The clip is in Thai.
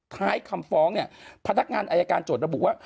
ท้ายคำฟ้องเนี่ยพนักงานอายการโจทย์ระบุว่า